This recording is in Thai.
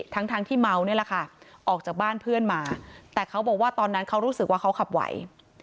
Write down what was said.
ทั้งที่เมานี่แหละค่ะออกจากบ้านเพื่อนมาแต่เขาบอกว่าตอนนั้นเขารู้สึกว่าเขาขับไหว